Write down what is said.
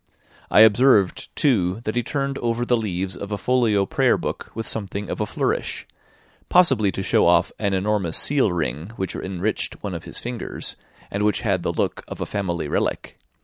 I observed, too, that he turned over the leaves of a folio prayer book with something of a flourish; possibly to show off an enormous seal ring which enriched one of his fingers, and which had the look of a family relic.